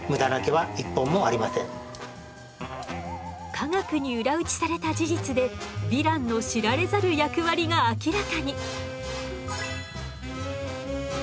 科学に裏打ちされた事実でヴィランの知られざる役割が明らかに。